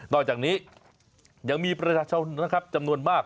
อกจากนี้ยังมีประชาชนนะครับจำนวนมาก